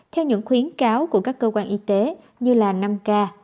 theo những khuyến cáo của các cơ quan y tế như là năm k